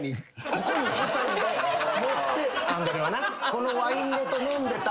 このワインごと飲んでた。